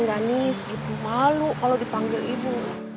ganis gitu malu kalau dipanggil ibu